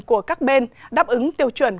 của các bên đáp ứng tiêu chuẩn